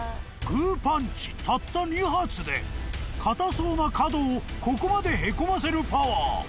［グーパンチたった２発でかたそうな角をここまでへこませるパワー］